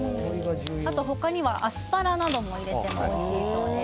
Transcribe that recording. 他にはアスパラなどを入れてもおいしいそうです。